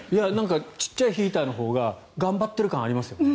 小さいヒーターのほうが頑張っている感がありますよね。